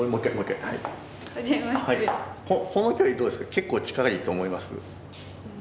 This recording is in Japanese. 結構近いと思います？